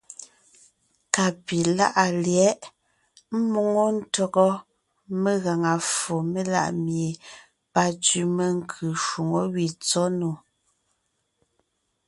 Ka pi láʼa lyɛ̌ʼ ḿmoŋo ntÿɔgɔ megaŋa ffo melaʼ mie pantsẅi menkʉ́ shwoŋó gẅí tsɔ́ nò.